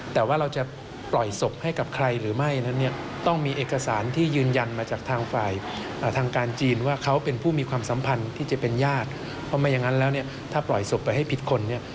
ถ้าปล่อยศพไปให้ผิดคนเนี่ย